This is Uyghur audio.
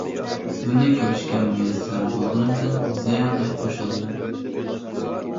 سىلىنى كۆرۈشكە مۇيەسسەر بولغىنىمدىن زىيادە خۇشالمەن.